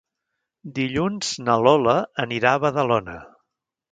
Dilluns na Lola anirà a Badalona.